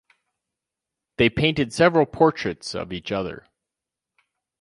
They painted several portraits of each other.